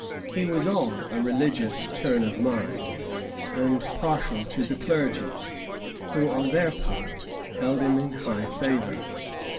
He was of a religious turn of mind, and partial to the clergy, who, on their part, held him in high favor.